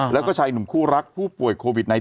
แล้วก็ชายหนุ่มคู่รักผู้ป่วยโควิด๑๙